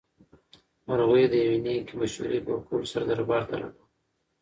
مرغۍ د یوې نېکې مشورې په ورکولو سره دربار ته رڼا راوړه.